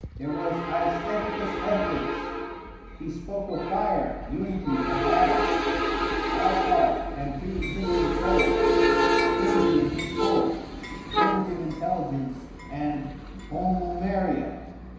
There was Æstheticus Ethix. He spoke of fire, unity, and atoms; bi part and pre existent soul; affinity and discord; primitive intelligence and homoömeria.